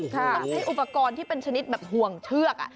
ต้องใช้อุปกรณ์ที่เป็นชนิดแบบห่วงเชือก